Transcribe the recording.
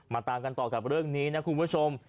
ตามกันต่อกับเรื่องนี้นะคุณผู้ชม